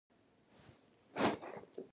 د هغوې مرمۍ زموږ شاوخوا ته پر ډبرو مښتې.